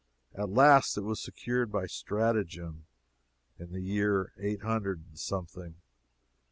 At last it was secured by stratagem, in the year eight hundred and something.